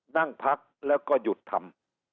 นั่งพักแล้วก็หยุดทำ